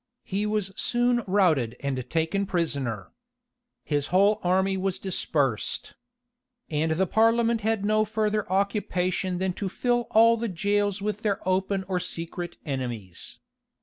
He was soon routed and taken prisoner. His whole army was dispersed. And the parliament had no further occupation than to fill all the jails with their open or secret enemies.